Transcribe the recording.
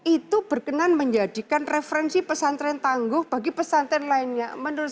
itu berkenan menjadikannya referensi tangguh bagi pesanten lainnya